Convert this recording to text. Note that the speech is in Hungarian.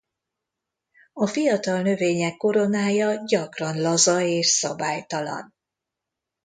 A fiatal növények koronája gyakran laza és szabálytalan.